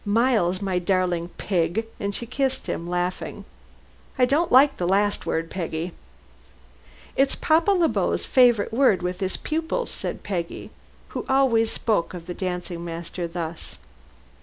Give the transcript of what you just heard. Miles, my darling pig!" and she kissed him, laughing. "I don't like the last word, Peggy!" "It's Papa Le Beau's favorite word with his pupils," said Peggy, who always spoke of the dancing master thus.